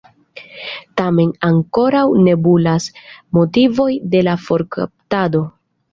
Tamen ankoraŭ nebulas motivoj de la forkaptado.